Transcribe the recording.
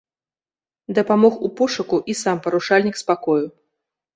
Дапамог у пошуку і сам парушальнік спакою.